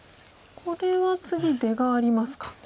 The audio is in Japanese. これは次出がありますか。